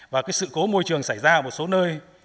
và cái sự cố môi trường xảy ra ở một số nơi